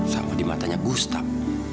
sama di matanya gustaf